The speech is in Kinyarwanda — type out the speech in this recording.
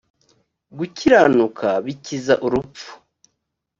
gukiranuka bikiza urupfu